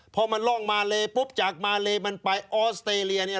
พอมันร่องมาเลปุ๊บจากมาเลมันไปออสเตรเลียเนี่ย